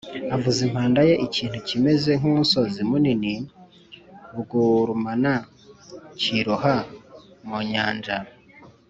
avuza impanda ye Ikintu kimeze nk umusozi munini b ugurumana kirohwa mu nyanja